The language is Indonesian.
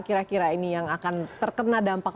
kira kira ini yang akan terkena dampak